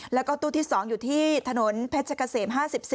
แล้วก็ตู้ที่๒อยู่ที่ถนนเพชรเกษม๕๔